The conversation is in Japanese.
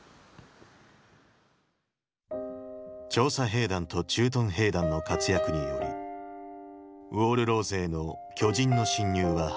調査兵団と駐屯兵団の活躍によりウォール・ローゼへの巨人の侵入は阻まれた。